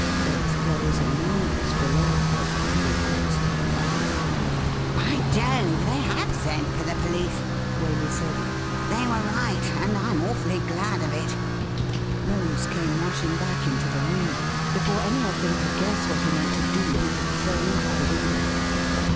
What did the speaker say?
But there was a noise below, of heavy footsteps. ' By Jove ! they have sent for the police,' Waley said. • They were right, and Fm awfully glad of it.' Rose came rushing back into the room. Before any of them could guess what he meant to do, he had thrown up the window.